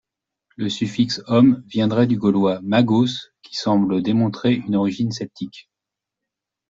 Le suffixe -om viendrait du gaulois magos, qui semble démontrer une origine celtique.